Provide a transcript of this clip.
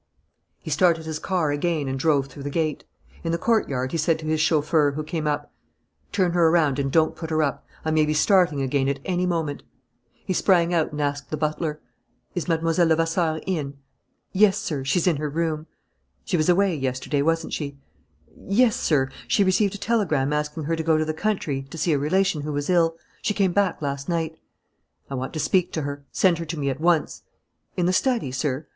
He started his car again and drove through the gate. In the courtyard he said to his chauffeur, who came up: "Turn her around and don't put her up. I may be starting again at any moment." He sprang out and asked the butler: "Is Mlle. Levasseur in?" "Yes, sir, she's in her room." "She was away yesterday, wasn't she?" "Yes, sir, she received a telegram asking her to go to the country to see a relation who was ill. She came back last night." "I want to speak to her. Send her to me. At once." "In the study, sir?"